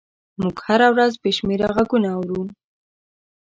موږ هره ورځ بې شمېره غږونه اورو.